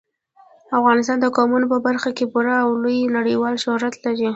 افغانستان د قومونه په برخه کې پوره او لوی نړیوال شهرت لري.